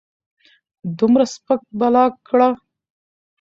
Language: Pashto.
دومره سپک بلاک کړۀ